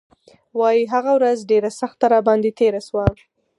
وايي هغه ورځ ډېره سخته راباندې تېره شوه.